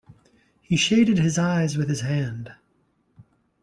He shaded his eyes with his hand.